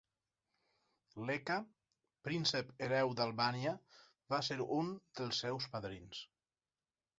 Leka, Príncep Hereu d'Albània, va ser un dels seus padrins.